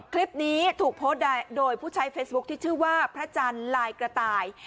คลิปนี้ถูกโพสต์โดยผู้ใช้เฟซบุ๊คที่ชื่อว่าพระจันทร์ลายกระต่าย